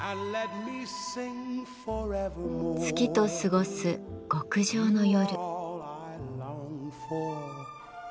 月と過ごす極上の夜。